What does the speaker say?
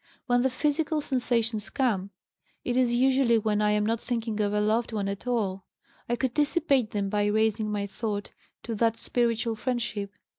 When the physical sensations come, it is usually when I am not thinking of a loved one at all. I could dissipate them by raising my thought to that spiritual friendship.